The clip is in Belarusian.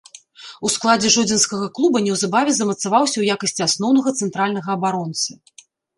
У складзе жодзінскага клуба неўзабаве замацаваўся ў якасці асноўнага цэнтральнага абаронцы.